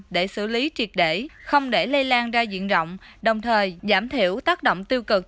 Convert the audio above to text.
để xử lý triệt để không để lây lan ra diện rộng đồng thời giảm thiểu tác động tiêu cực